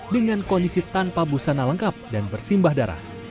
dengan kondisi tanpa busana lengkap dan bersimbah darah